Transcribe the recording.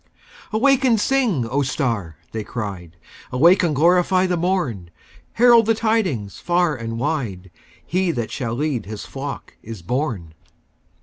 "Awake and sing, O star!" they cried. "Awake and glorify the morn! Herald the tidings far and wide He that shall lead His flock is born!"